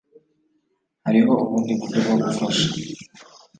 hariho ubundi buryo bwo gufasha